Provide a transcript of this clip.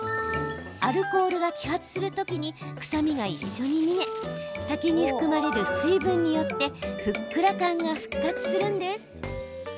アルコールが揮発する時に臭みが一緒に逃げ酒に含まれる水分によってふっくら感が復活するんです。